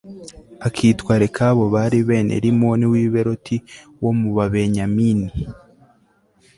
akitwa rekabu bari bene rimoni w i beroti wo mu babenyamini